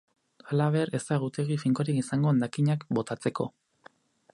Halaber, ez da egutegi finkorik izango hondakinak botatzeko.